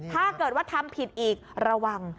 ถ้าเกิดว่าทำผิดอีกระวัง